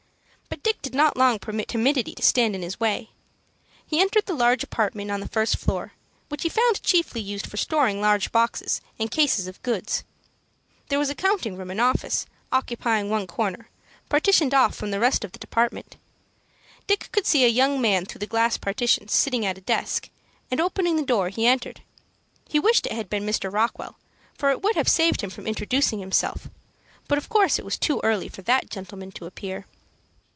But Dick did not long permit timidity to stand in his way. He entered the large apartment on the first floor, which he found chiefly used for storing large boxes and cases of goods. There was a counting room and office, occupying one corner, partitioned off from the rest of the department. Dick could see a young man through the glass partition sitting at a desk; and, opening the door, he entered. He wished it had been Mr. Rockwell, for it would have saved him from introducing himself; but of course it was too early for that gentleman to appear.